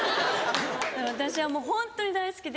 私はもうホントに大好きで。